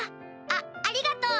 あありがとう！